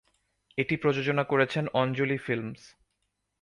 এটি প্রযোজনা করেছেন অঞ্জলি ফিল্মস।